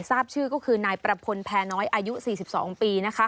ทราบชื่อก็คือนายประพลแพรน้อยอายุ๔๒ปีนะคะ